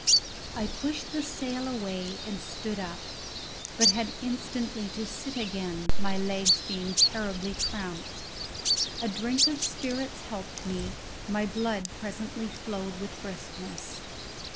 I pushed the sail away and stood up, but had instantly to sit again, my legs being terribly cramped. A drink of spirits helped me; my blood presently flowed with briskness.